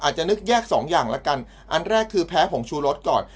อาจจะนึกแยกสองอย่างละกันอันแรกคือแพ้ผงชูรสก่อน